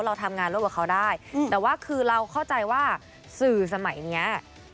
เราทำงานร่วมกับเขาได้แต่ว่าคือเราเข้าใจว่าสื่อสมัยเนี้ย